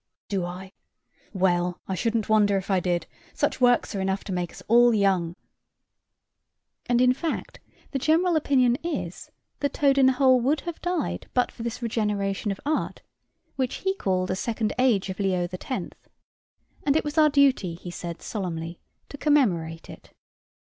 "Do I? well, I should'nt wonder if I did; such works are enough to make us all young." And in fact the general opinion is, that Toad in the hole would have died but for this regeneration of art, which he called a second age of Leo the Tenth; and it was our duty, he said solemnly, to commemorate it.